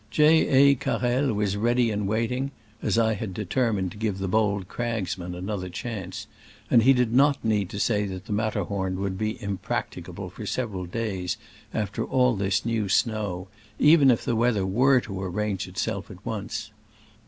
J. A. Carrel was ready and waiting (as I had determined to give the bold cragsman another chance); and he did not need to say that the Mat terhorn would be impracticable for sev eral days after all this new snow, even if the weather were to arrange itself at once.